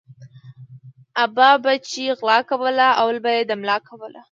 ابا به چی غلا کوله اول به یی د ملا کوله